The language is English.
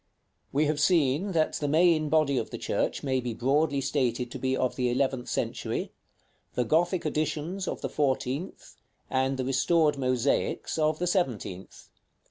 § VI. We have seen that the main body of the church may be broadly stated to be of the eleventh century, the Gothic additions of the fourteenth, and the restored mosaics of the seventeenth.